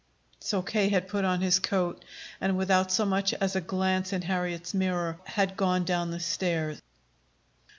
So K. had put on his coat and, without so much as a glance in Harriet's mirror, had gone down the stairs.